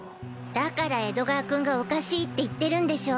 だから江戸川君がおかしいって言ってるんでしょ。